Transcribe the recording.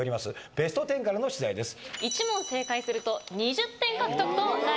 ベスト１０からの出題です。